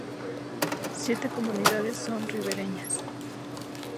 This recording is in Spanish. Siete comunidades son ribereñas.